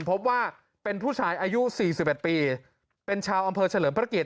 พบว่าเป็นผู้ชายอายุ๔๑ปีเป็นชาวอำเภอเฉลิมพระเกียร